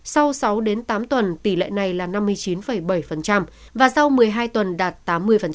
sau sáu đến tám tuần tỷ lệ này là năm mươi chín bảy và sau một mươi hai tuần đạt tám mươi